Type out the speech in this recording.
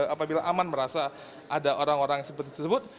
apabila aman merasa ada orang orang seperti tersebut